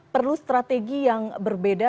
perlu strategi yang berbeda